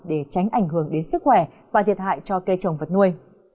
để tránh ảnh hưởng đến sức khỏe và thiệt hại cho cây trồng vật nuôi